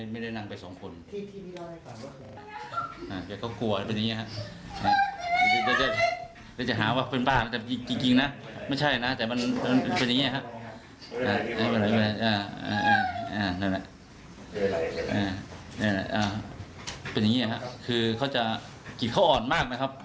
เป็นอย่างนี้ครับคือเขาจะจิตเขาอ่อนมากนะครับ